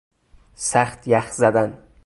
سخت یخ زدن